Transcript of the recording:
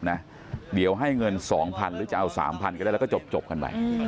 เงิน๒๐๐๐หรือจะเอา๓๐๐๐ก็ได้แล้วก็จบกันไว้